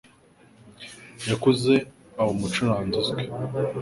Yakuze aba umucuranzi uzwi.